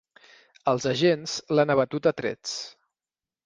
Els agents l’han abatut a trets.